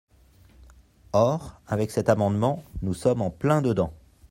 Or, avec cet amendement, nous sommes en plein dedans.